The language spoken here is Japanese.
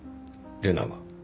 玲奈が？